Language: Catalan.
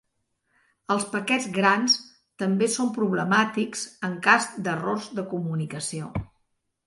Els paquets grans també són problemàtics en cas d'errors de comunicació.